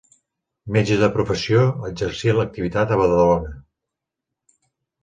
Metge de professió, exercia l'activitat a Badalona.